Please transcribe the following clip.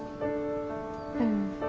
うん。